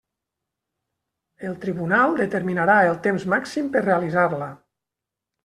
El tribunal determinarà el temps màxim per realitzar-la.